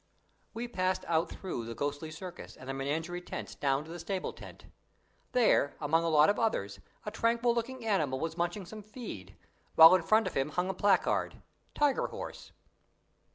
We passed out through the ghostly circus and the menagerie tent down to the stable tent. There, among a lot of others, a tranquil looking animal was munching some feed, while in front of him hung a placard, "Tiger Horse".